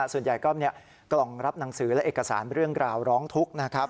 ส่วนใหญ่ก็มีกล่องรับหนังสือและเอกสารเรื่องกล่าวร้องทุกข์นะครับ